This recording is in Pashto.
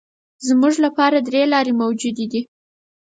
زموږ لپاره درې لارې موجودې دي.